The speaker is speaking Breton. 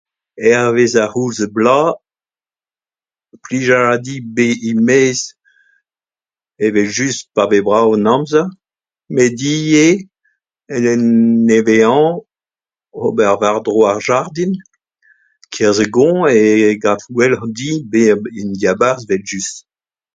Hervez ar c'houlz ar bloaz, plij a ra din bezañ 'maez evel-just pa vez brav an amzer met ivez en nevez-hañv ober war-dro ar jardin. E-kerzh ar goañv e kav gwelloc'h din bezañ en diabarzh evel-just.